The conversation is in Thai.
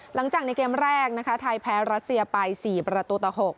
หลังจากในเกมแรกนะคะไทยแพ้รัสเซียไป๔ประตูต่อ๖